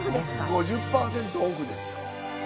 ５０％オフです。